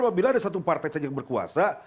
apabila ada satu partai saja yang berkuasa